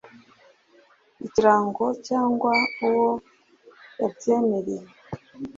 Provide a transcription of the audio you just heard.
ikirango cyangwa uwo yabyemereye